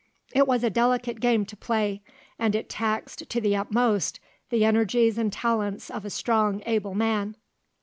It was a delicate game to play, and it taxed to the utmost the energies and talents of a strong, able man.